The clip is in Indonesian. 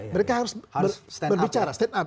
mereka harus berbicara